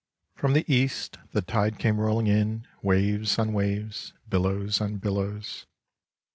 From the East the tide came rolling in, waves on waves, billows on billows.